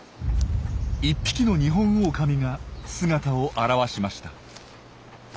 １匹のニホンオオカミが姿を現しました。